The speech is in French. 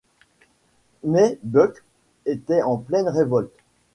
Mais Buck était en pleine révolte.